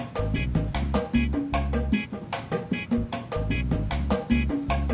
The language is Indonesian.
kau bed gimana jualan kerudungnya